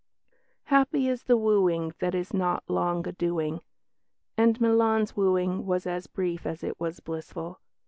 "Happy is the wooing that is not long a doing," and Milan's wooing was as brief as it was blissful.